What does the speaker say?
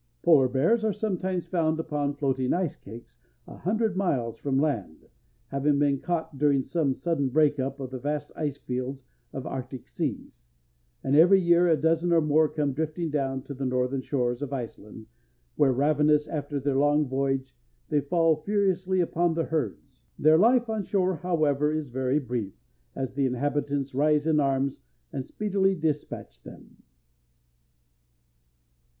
Polar bears are sometimes found upon floating ice cakes a hundred miles from land, having been caught during some sudden break up of the vast ice fields of arctic seas, and every year a dozen or more come drifting down to the northern shores of Iceland, where, ravenous after their long voyage, they fall furiously upon the herds. Their life on shore, however, is very brief, as the inhabitants rise in arms and speedily dispatch them.